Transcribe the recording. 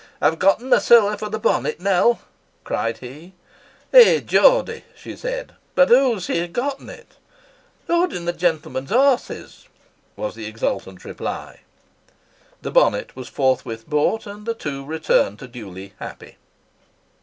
"I've gotten the siller for the bonnet, Nell!" cried he. "Eh Geordie!" she said, "but hoo hae ye gotten it?" "Haudin the gentlemen's horses!" was the exultant reply. The bonnet was forthwith bought, and the two returned to Dewley happy.